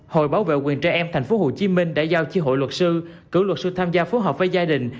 hội bảo vệ quyền trẻ em tp hcm đã giao chi hội luật sư cử luật sư tham gia phối hợp với gia đình